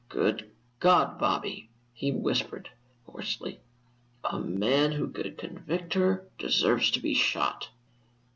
"Good God! Bobby," he whispered, hoarsely, "a man who could convict her deserves to be shot!"